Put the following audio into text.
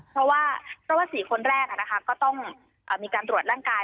เพราะว่า๔คนแรกก็ต้องมีการตรวจร่างกาย